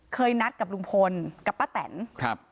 นัดกับลุงพลกับป้าแตนครับ